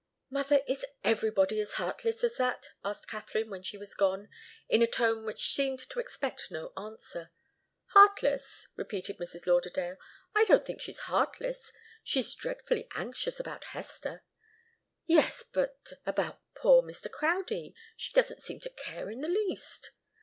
"Mother, is everybody as heartless as that?" asked Katharine when she was gone, in a tone which seemed to expect no answer. "Heartless?" repeated Mrs. Lauderdale. "I don't think she's heartless. She's dreadfully anxious about Hester." "Yes; but about poor Mr. Crowdie she doesn't seem to care in the least."